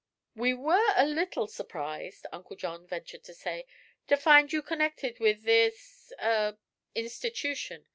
"We were a little surprised," Uncle John ventured to say, "to find you connected with this er institution.